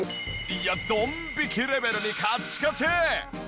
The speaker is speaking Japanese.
いやドン引きレベルにカッチカチ！